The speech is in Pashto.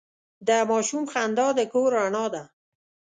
د ماشوم خندا د کور رڼا ده.